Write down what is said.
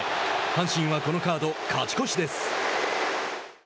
阪神はこのカード勝ち越しです。